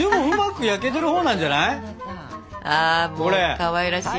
かわいらしいな。